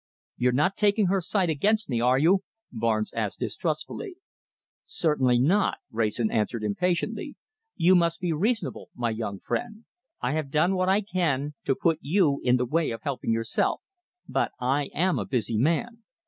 "You're not taking her side against me, are you?" Barnes asked distrustfully. "Certainly not," Wrayson answered impatiently. "You must be reasonable, my young friend. I have done what I can to put you in the way of helping yourself, but I am a busy man.